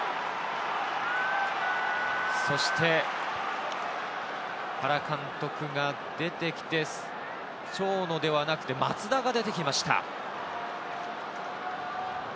そして原監督が出てきて、長野ではなくて、松田が出てきました。